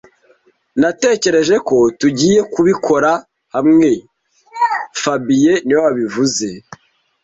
Natekereje ko tugiye kubikora hamwe fabien niwe wabivuze